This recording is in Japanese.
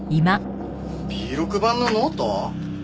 Ｂ６版のノート？